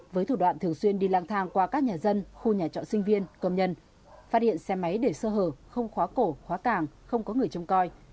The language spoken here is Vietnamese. với thủ đoạn thường xuyên đi lang thang qua các nhà dân khu nhà trọ sinh viên công nhân phát hiện xe máy để sơ hở không khóa cổ khóa càng không có người trông coi